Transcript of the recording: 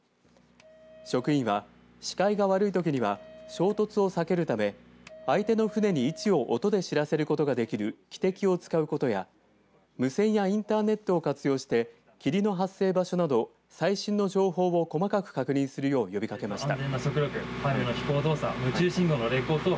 職員は、視界が悪いときには衝突を避けるため相手の船に位置を音で知らせることができる汽笛を使うことや無線やインターネット活用して霧の発生場所など、最新の情報を細かく確認するよう呼びかけました。